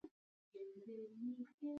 ایا زه قرنطین شم؟